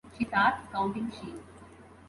She starts counting sheep.